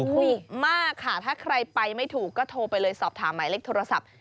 ถูกมากค่ะถ้าใครไปไม่ถูกก็โทรไปเลยสอบถามหมายเลขโทรศัพท์